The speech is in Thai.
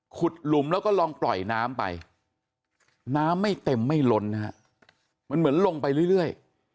หลุมแล้วก็ลองปล่อยน้ำไปน้ำไม่เต็มไม่ล้นนะฮะมันเหมือนลงไปเรื่อย